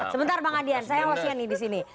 sebentar bang adrian saya hosian nih di sini